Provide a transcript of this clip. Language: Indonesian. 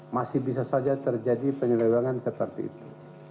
masih bisa saja terjadi penyelewengan seperti itu